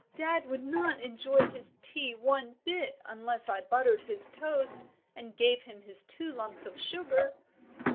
"Dad would not enjoy his tea one bit unless I buttered his toast and gave him his two lumps of sugar."